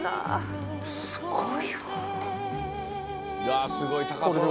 すごいわ！